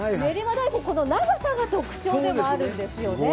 大根長さが特徴でもあるんですよね。